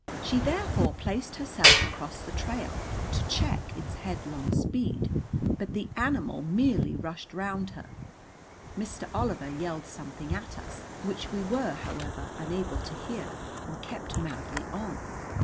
She therefore placed herself across the trail to check its headlong speed, but the animal merely rushed round her. Mr. Oliver yelled something at us, which we were, however, unable to hear, and kept madly on.